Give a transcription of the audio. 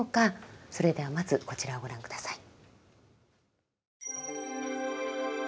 それではまずこちらをご覧下さい。